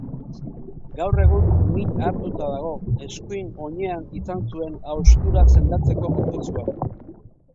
Gaur egun min hartuta dago, eskuin oinean izan zuen haustura sendatzeko prozesuan.